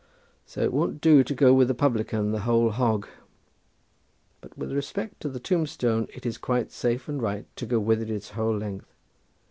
So it won't do to go with the publican the whole hog. But with respect to the tombstone, it is quite safe and right to go with it its whole length.